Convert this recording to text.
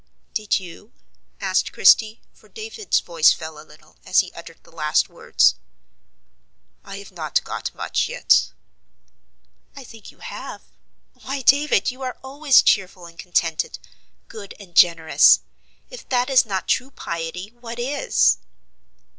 "Did you?" asked Christie; for David's voice fell a little, as he uttered the last words. "I have not got much yet." "I think you have. Why, David, you are always cheerful and contented, good and generous. If that is not true piety, what is?"